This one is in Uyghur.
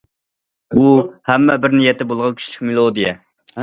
بۇ، ھەممە بىر نىيەتتە بولغان كۈچلۈك مېلودىيە.